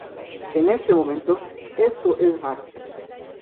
en este momento, esto es raro